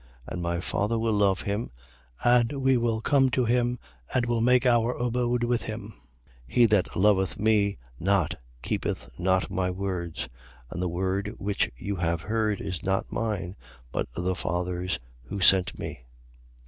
And my Father will love him and we will come to him and will make our abode with him. 14:24. He that loveth me not keepeth not my words. And the word which you have heard is not mine; but the Father's who sent me.